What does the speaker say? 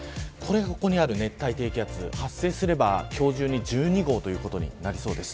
ここにある熱帯低気圧が発生すれば今日中に１２号ということになりそうです。